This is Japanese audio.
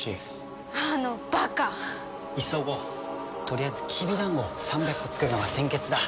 とりあえずきびだんごを３００個作るのが先決だ。